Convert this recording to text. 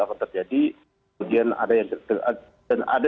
akan terjadi kemudian ada